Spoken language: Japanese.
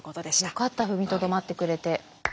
よかった踏みとどまってくれて。